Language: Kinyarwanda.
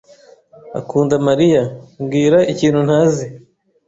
" akunda Mariya." "Mbwira ikintu ntazi."